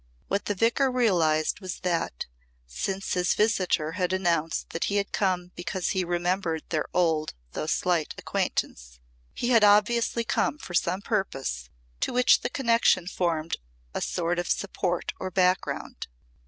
What the Vicar realised was that, since his visitor had announced that he had come because he remembered their old though slight acquaintance, he had obviously come for some purpose to which the connection formed a sort of support or background.